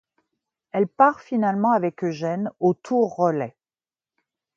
Elle part finalement avec Eugène aux tours relais.